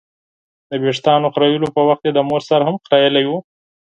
د ویښتانو خریلو په وخت یې د مور سر هم خرېیلی و.